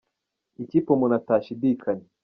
ikipe umuntu atashidikanya